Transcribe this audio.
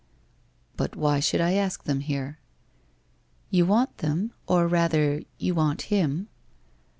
1 But why should I ask them here ?'' You want them, or rather you want him.'